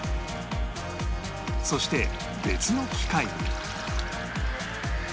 そして別の機械に